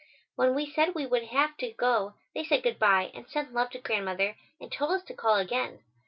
When we said we would have to go they said goodbye and sent love to Grandmother and told us to call again.